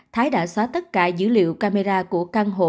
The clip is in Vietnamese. thái đã xóa tất cả dữ liệu camera của căn hộ